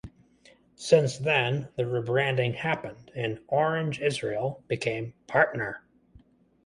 Since then, the rebranding happened and Orange Israel became "Partner".